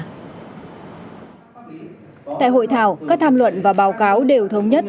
tại hội thảo các tham luận và báo cáo đều thống nhất